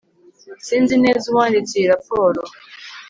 sinzi neza uwanditse iyi raporo